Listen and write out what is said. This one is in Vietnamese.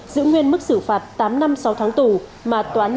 giữ nguyên mức xử phạt tám năm sáu tháng tù mà tòa án nhân dân huyện bạch thông đã tuyên